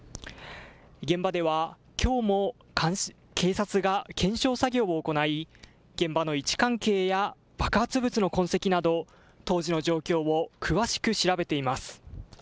現場ではきょうも警察が検証作業を行い現場の位置関係や爆発物の痕跡など当時の状況を詳しく調べています。